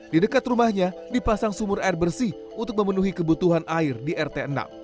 di dekat rumahnya dipasang sumur air bersih untuk memenuhi kebutuhan air di rt enam